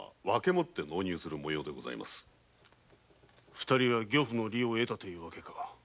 二人が漁夫の利を得たというわけか。